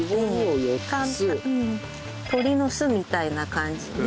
鳥の巣みたいな感じで。